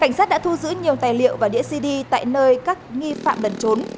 cảnh sát đã thu giữ nhiều tài liệu và đĩa cd tại nơi các nghi phạm lần trốn